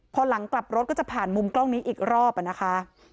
พอหลังกลับรถก็จะผ่านมุมกล้องนี้อีกรอบนะคะ